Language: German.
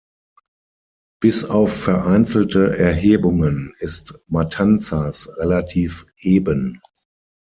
Bis auf vereinzelte Erhebungen ist Matanzas relativ eben.